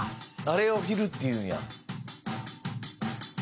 「あれをフィルっていうんや」